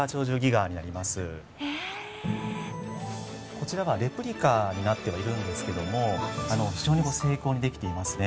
こちらはレプリカになってはいるんですけども非常に精巧に出来ていますね。